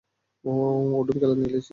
উডুম কেলান কেলিয়েছি।